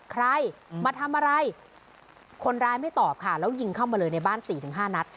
ใครมาทำอะไรคนร้ายไม่ตอบค่ะแล้วยิงเข้ามาเลยในบ้าน๔๕นัด